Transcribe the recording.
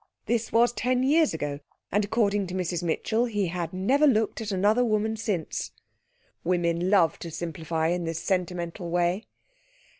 This was ten years ago, and according to Mrs Mitchell he had never looked at another woman since. Women love to simplify in this sentimental way.